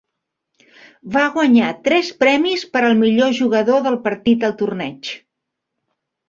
Va guanyar tres premis per al millor jugador del partit al torneig.